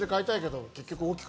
結局。